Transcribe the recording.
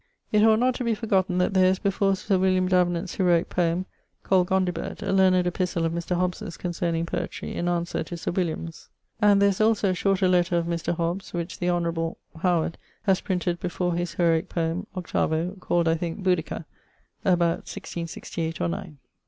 ☞ It ought not to be forgotten that there is before Sir William Davenant's heroique poem called Gondibert, a learned epistle of Mr. Hobbes's concerning poetrie, in answer to Sir William's. And there is also a shorter letter of Mr. Hobbes's, which the Honourable ... Howard has printed before his heroique poem, 8vo, called I thinke Bonduca, about 1668 or 9. Mr.